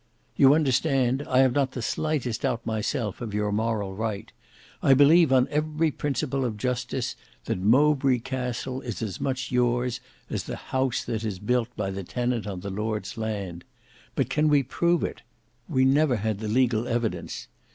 "You understand—I have not the slightest doubt myself of your moral right: I believe on every principle of justice, that Mowbray Castle is as much yours as the house that is built by the tenant on the lord's land: but can we prove it? We never had the legal evidence.